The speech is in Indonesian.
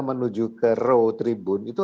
menuju ke row tribun itu